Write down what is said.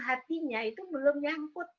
hatinya itu belum nyangkut